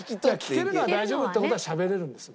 聞けるのは大丈夫って事はしゃべれるんですよ。